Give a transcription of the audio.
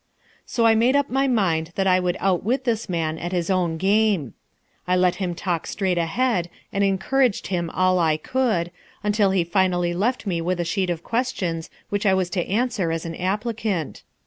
So I made up my mind that I would outwit this man at his own game. I let him talk straight ahead and encouraged him all I could, until he finally left me with a sheet of questions which I was to answer as an applicant.